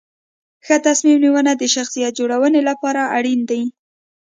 ښه تصمیم نیونه د شخصیت جوړونې لپاره اړین دي.